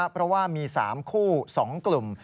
เพราะว่ามี๓คู่๒กลุ่ม